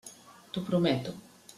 T'ho prometo.